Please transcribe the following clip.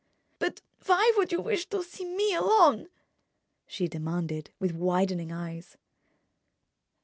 "But why should you wish to see me alone?" she demanded, with widening eyes.